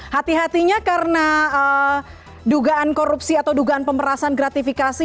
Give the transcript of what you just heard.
hati hatinya karena dugaan korupsi atau dugaan pemerasan gratifikasi